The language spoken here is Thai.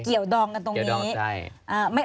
เกี่ยวดองกันตรงนี้